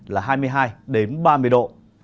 là hai mươi hai ba mươi độ